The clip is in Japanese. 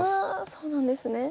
そうなんですね。